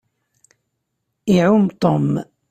Iɛumm Tom.